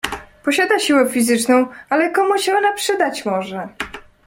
"Posiada siłę fizyczną, ale komu się ona przydać może!"